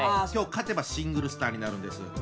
今日勝てばシングルスターになるんです。